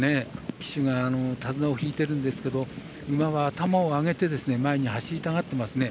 騎手が手綱を引いてるんですけど馬は前に走りたがっていますね。